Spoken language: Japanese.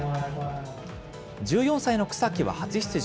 １４歳の草木は初出場。